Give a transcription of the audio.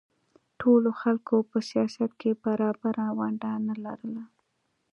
ټولو خلکو په سیاست کې برابره ونډه نه لرله.